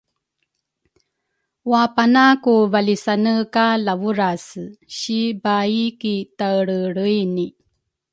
wapana ku valisane ka Lavurase si la baai ki taelreelreini.